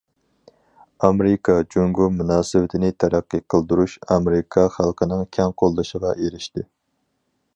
ئامېرىكا- جۇڭگو مۇناسىۋىتىنى تەرەققىي قىلدۇرۇش ئامېرىكا خەلقىنىڭ كەڭ قوللىشىغا ئېرىشتى.